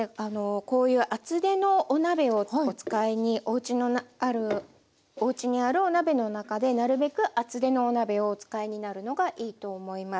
こういう厚手のお鍋をお使いにおうちにあるお鍋の中でなるべく厚手のお鍋をお使いになるのがいいと思います。